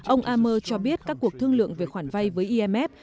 ông ammer cho biết các cuộc thương lượng về khoản vay với imf